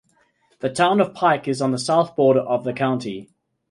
The Town of Pike is on the south border of the county.